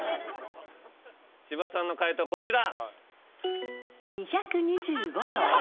千葉さんの解答こちら。